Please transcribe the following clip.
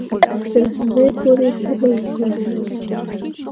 خو ګلاب وويل چې بايد تر هغې پورې صبر وکړم.